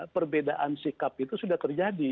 perbedaan sikap itu sudah terjadi